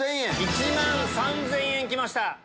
１万３０００円きました！